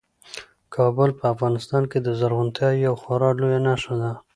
کابل په افغانستان کې د زرغونتیا یوه خورا لویه نښه ده.